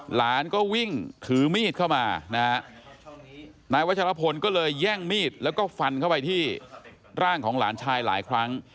หลานก็วิ่งถือมีดเข้ามานะฮะนายวัชรพลก็เลยแย่งมีดแล้วก็ฟันเข้าไปที่ร่างของหลานชายหลายครั้ง